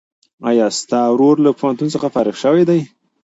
ایا ستا ورور له پوهنتون څخه فارغ شوی دی؟